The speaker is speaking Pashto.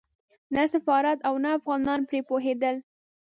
نه سفارت او نه افغانان پرې پوهېدل.